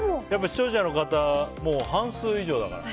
視聴者の方、半数以上だから。